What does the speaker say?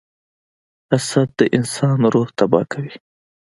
• حسد د انسان روح تباه کوي.